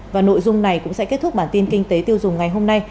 và nội dung này cũng sẽ kết thúc bản tin kinh tế tiêu dùng ngày hôm nay